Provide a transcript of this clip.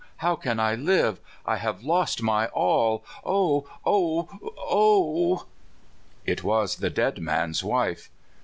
How can I live? I have lost my all! O! O! O!" It was the dead man's wife.